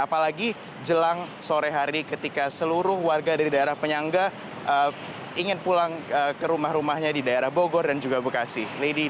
apalagi jelang sore hari ketika seluruh warga dari daerah penyangga ingin pulang ke rumah rumahnya di daerah bogor dan juga bekasi